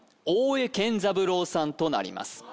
大江健三郎さんとなります